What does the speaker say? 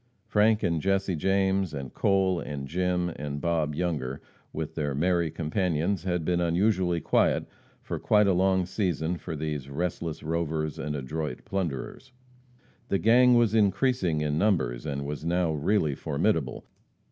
Frank and Jesse James, and Cole, and Jim, and Bob Younger, with their merry companions, had been unusually quiet for quite a long season for these restless rovers and adroit plunderers. The gang was increasing in numbers, and was now really formidable.